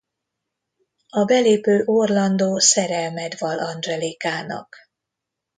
A belépő Orlando szerelmet vall Angelicának.